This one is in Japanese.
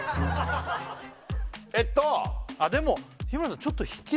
えっとあでも日村さん